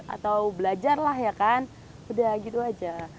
atau belajar lah ya kan udah gitu aja